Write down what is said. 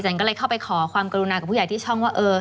ก็เลยเข้าไปขอความกรุณากับผู้ใหญ่ที่ช่องว่า